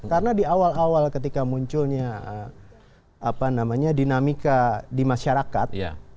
karena di awal awal ketika munculnya dinamika di masyarakat